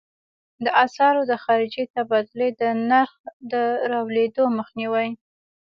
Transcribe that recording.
د اسعارو د خارجې تبادلې د نرخ د رالوېدو مخنیوی.